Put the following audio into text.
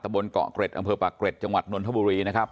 บนเกาะเกร็ดอำเภอปากเกร็ดจังหวัดนนทบุรีนะครับ